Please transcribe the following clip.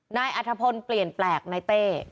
นายอัธพลเปลี่ยนแปลกในเต้